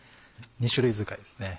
２種類使いですね。